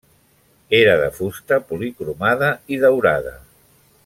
Era de fusta policromada i daurada.